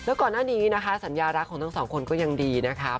แล้วก่อนหน้านี้นะคะสัญญารักของทั้งสองคนก็ยังดีนะคะ